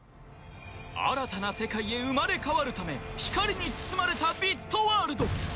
新たな世界へ生まれ変わるため光に包まれたビットワールド！